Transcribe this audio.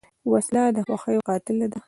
وسله د خوښیو قاتله ده